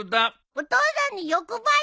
お父さんの欲張り！